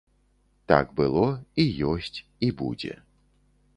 Так было, і ёсць, і будзе.